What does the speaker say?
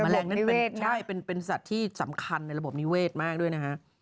ระบบนิเวศนะครับใช่เป็นสัตว์ที่สำคัญในระบบนิเวศมากด้วยนะฮะ